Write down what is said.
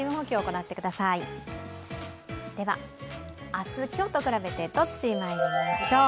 明日、今日と比べてどっち、まいりましょう。